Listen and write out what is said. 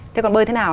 thế còn bơi thế nào